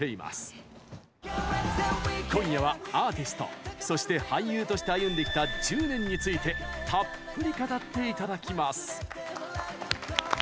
今夜はアーティストそして俳優として歩んできた１０年についてたっぷり語っていただきます！